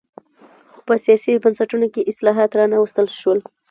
خو په سیاسي بنسټونو کې اصلاحات را نه وستل شول.